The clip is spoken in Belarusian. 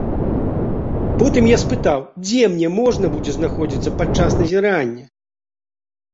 Потым я спытаў, дзе мне можна будзе знаходзіцца падчас назірання.